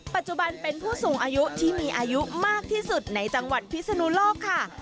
ปัจจุบันเป็นผู้สูงอายุที่มีอายุมากที่สุดในจังหวัดพิศนุโลกค่ะ